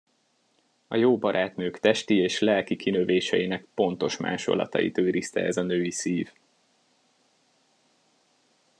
A jó barátnők testi és lelki kinövéseinek pontos másolatait őrizte ez a női szív.